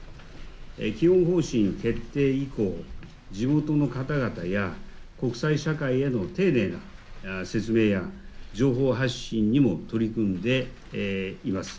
基本方針決定以降、地元の方々や国際社会への丁寧な説明や情報発信にも取り組んでいます。